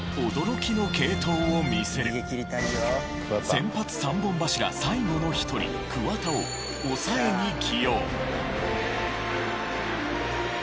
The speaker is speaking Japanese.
先発三本柱最後の一人桑田を抑えに起用。